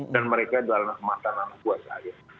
dan mereka adalah mantan anak buah saya